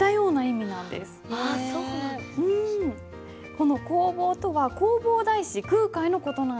この「弘法」とは弘法大師空海の事なんです。